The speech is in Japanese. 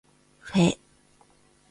ふぇ